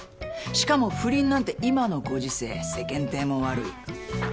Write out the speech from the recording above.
「しかも不倫なんて今のご時世世間体も悪い。